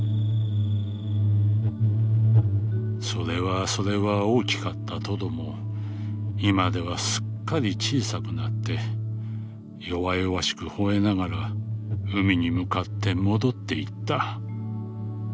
「それはそれは大きかったトドも今ではすっかり小さくなって弱々しく吠えながら海に向かって戻っていった」。